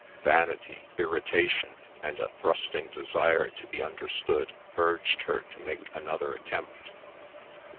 Vanity, irritation, and a thrusting desire to be understood, urged her to make another attempt.